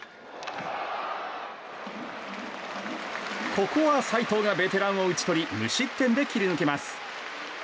ここは齋藤がベテランを打ち取り無失点で切り抜けます。